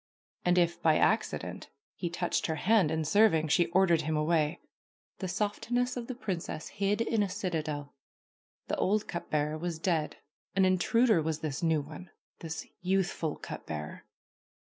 And if, by accident, he touched her hand in serving she ordered him away. The softness of the princess hid in a citadel. The old cup bearer was dead. An intruder was this new one, this youthful cup bearer.